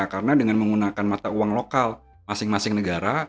karena dengan menggunakan mata uang lokal masing masing negara